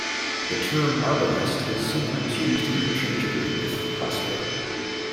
The term "arbalest" is sometimes used interchangeably with "crossbow".